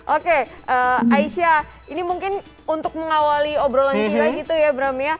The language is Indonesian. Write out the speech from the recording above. oke aisyah ini mungkin untuk mengawali obrolan tiba gitu ya bram ya